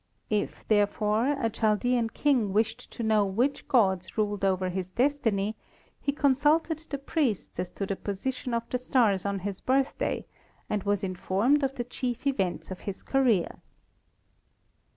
If, therefore, a Chaldean king wished to know which gods ruled over his destiny, he consulted the priests as to the position of the stars on his birthday and was informed of the chief events of his career.